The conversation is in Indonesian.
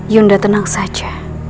yunda tenang saja